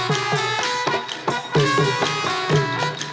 โอ้โหโอ้โหโอ้โหโอ้โห